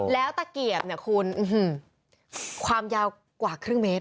แล้วตะเกียบเนี่ยคุณความยาวกว่าครึ่งเมตร